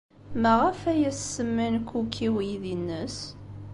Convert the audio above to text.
Maɣef ay as-semman Cook i uydi-nnes?